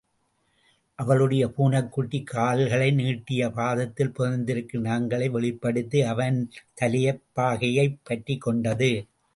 அவளுடைய பூனைக்குட்டி கால்களை நீட்டிப் பாதத்தில் புதைந்திருக்கும் நகங்களை வெளிப்படுத்தி அவன் தலைப் பாகையைப் பற்றிக் கொண்டது.